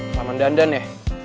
sama dandan ya